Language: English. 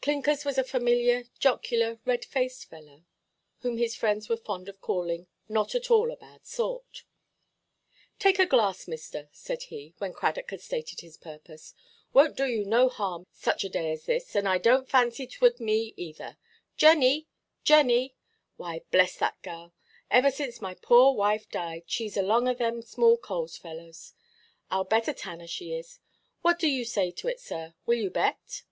Clinkers was a familiar, jocular, red–faced fellow, whom his friends were fond of calling "not at all a bad sort." "Take a glass, mister," said he, when Cradock had stated his purpose; "wonʼt do you no harm such a day as this, and I donʼt fancy 'twould me either. Jenny! Jenny! Why, bless that gal; ever since my poor wife died, sheʼs along of them small–coals fellows. Iʼll bet a tanner she is. What do you say to it, sir? Will you bet?"